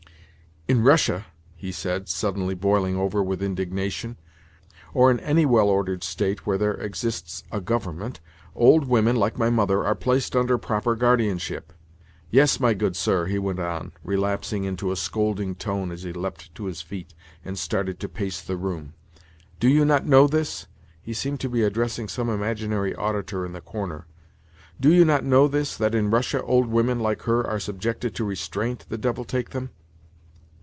"In Russia," said he, suddenly boiling over with indignation, "or in any well ordered State where there exists a government, old women like my mother are placed under proper guardianship. Yes, my good sir," he went on, relapsing into a scolding tone as he leapt to his feet and started to pace the room, "do you not know this" (he seemed to be addressing some imaginary auditor in the corner) "—do you not know this, that in Russia old women like her are subjected to restraint, the devil take them?"